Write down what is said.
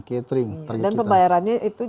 catering dan pembayarannya itu